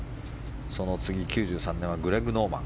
その次、１９９４年はグレッグ・ノーマン。